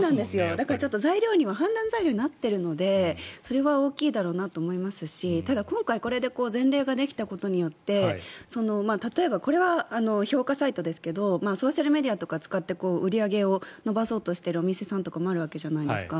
だから判断材料になっているのでそれは大きいだろうなと思いますしただ、今回これで前例ができてことによってこれは評価サイトですけどソーシャルメディアとかを使って売り上げを伸ばそうとしているお店さんとかもあるわけじゃないですか。